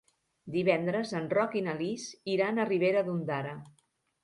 Divendres en Roc i na Lis iran a Ribera d'Ondara.